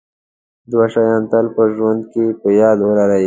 دوه شیان تل په ژوند کې په یاد ولرئ.